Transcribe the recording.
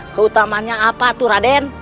keutamannya apa tuh raden